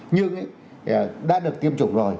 nhưng đã được tiêm chủng rồi